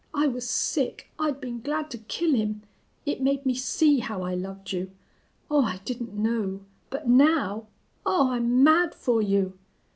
I was sick. I'd been glad to kill him!... It made me see how I loved you. Oh, I didn't know. But now ... Oh, I'm mad for you!"